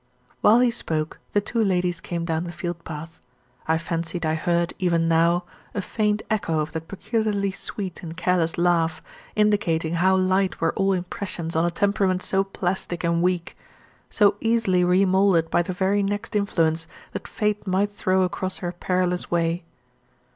While he spoke, the two ladies came down the field path. I fancied I heard, even now, a faint echo of that peculiarly sweet and careless laugh, indicating how light were all impressions on a temperament so plastic and weak so easily remoulded by the very next influence that fate might throw across her perilous way.